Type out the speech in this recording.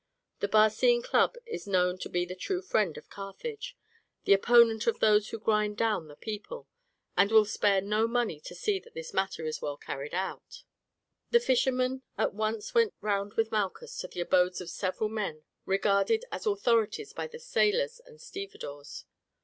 The Barcine Club is known to be the true friend of Carthage, the opponent of those who grind down the people, and it will spare no money to see that this matter is well carried out." The fisherman at once went round with Malchus to the abodes of several men regarded as authorities by the sailors and stevedores.